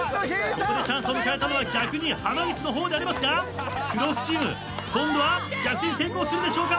ここでチャンスを迎えたのは逆に濱口の方でありますが黒服チーム今度は逆転成功するでしょうか。